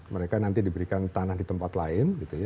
mereka nanti diberikan tanah di tempat lain